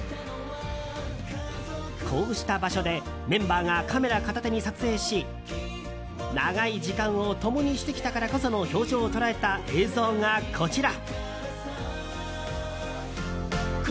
こうした場所でメンバーがカメラ片手に撮影し長い時間を共にしてきたからこその表情を捉えた映像が、こちら。